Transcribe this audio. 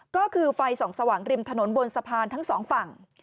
ก็คือไฟส่องสว่างริมถนนบนสะพานทั้งสองฝั่ง